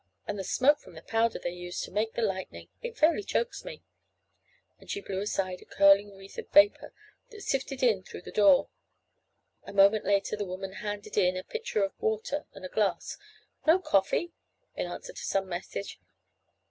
And the smoke from the powder they use to make the lightning! It fairly chokes me," and she blew aside a curling wreath of vapor that sifted in through the door. A moment later the woman handed in a pitcher of water and a glass. "No coffee?" in answer to some message.